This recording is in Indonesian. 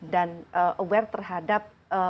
dan aware terhadap